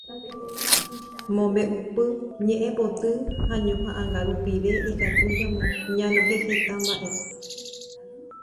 Mombe'upuku, ñe'ẽpoty ha ñoha'ãnga rupive ikatu ñanohẽ heta mba'e.